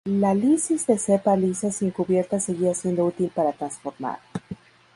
La lisis de cepa lisa sin cubierta seguía siendo útil para transformar.